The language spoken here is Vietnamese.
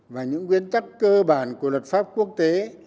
và những nguyên tắc cơ bản của luật pháp quốc tế